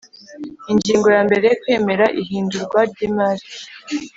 Ingingo ya mbere Kwemera ihindurwa ry imari